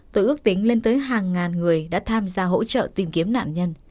từ ước tính lên tới hàng ngàn người đã tham gia hỗ trợ tìm kiếm nạn nhân